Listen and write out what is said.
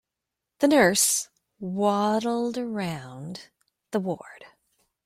The nurse waddled around the ward.